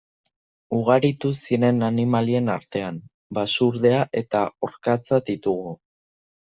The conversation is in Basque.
Ugaritu ziren animalien artean, basurdea eta orkatza ditugu.